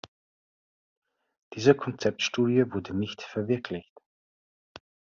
Diese Konzeptstudie wurde nicht verwirklicht.